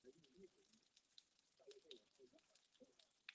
玉穗中央匝道是位于山梨县中央市的新山梨环状道路之交流道。